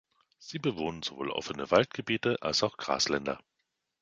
Sie bewohnen sowohl offene Waldgebiete als auch Grasländer.